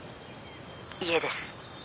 家です。